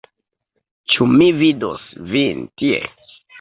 Ĉu mi vidos vin tie?